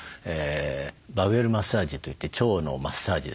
バウエルマッサージといって腸のマッサージですね。